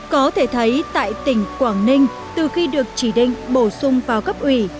có thể thấy tại tỉnh quảng ninh từ khi được chỉ định bổ sung vào cấp ủy